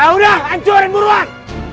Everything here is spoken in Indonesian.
sudah hancurin buruan